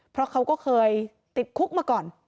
เพราะเขาก็เคยติดคุกมาก่อน